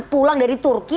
pulang dari turki